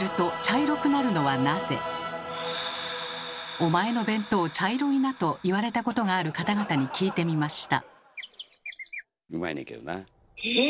「お前の弁当茶色いな」と言われたことがある方々に聞いてみました。